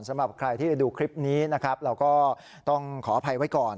สำหรับใครที่ดูคลิปนี้นะครับเราก็ต้องขออภัยไว้ก่อน